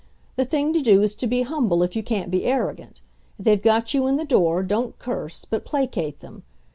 The thing to do is to be humble if you can't be arrogant. If they've got you in the door, don't curse, but placate them.